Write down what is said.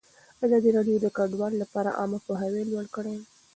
ازادي راډیو د کډوال لپاره عامه پوهاوي لوړ کړی.